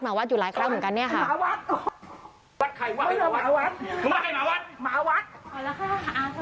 หมาวัดอยู่หลายครั้งเหมือนกันเนี้ยค่ะหมาวัดหมาวัดหมาวัด